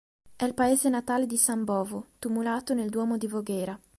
È il paese natale di San Bovo, tumulato nel duomo di Voghera.